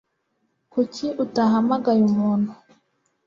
Kuki utahamagaye umuntu